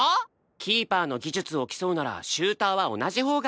キーパーの技術を競うならシューターは同じほうが。